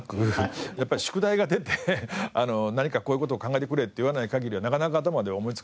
やっぱり宿題が出て何かこういう事を考えてくれって言わない限りはなかなか頭では思いつかない。